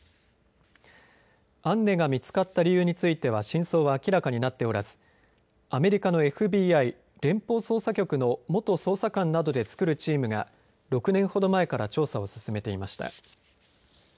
アンネが見つかった理由については真相は明らかになっておらずアメリカのＦＢＩ・連邦捜査局の元捜査官などで作るチームが６年ほど前から調査を進めていました。